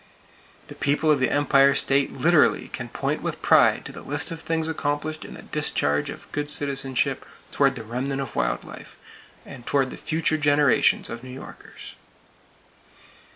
The people of the Empire State literally can point with pride to the list of things accomplished in the discharge of good citizenship toward the remnant of wild life, and toward the future generations of New Yorkers.